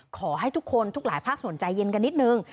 ขอให้ทุกคนทุกหลายภาคส่วนใจเย็นกันนิดนึง